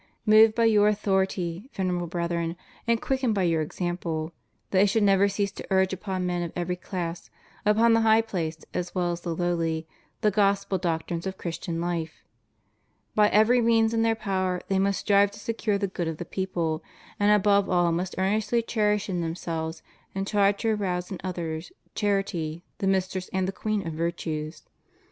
Moved by your authority^ Venerable Brethren, and quickened by your example, they should never cease to urge upon men of every class, upon the high placed as well as the lowly, the Gospel doctrines of Christian life; by every means in their power they must strive to secure the good of the people; and above all must earnestly cherish in themselves, and try to arouse in others, charity, the mistress and the queen of virtues.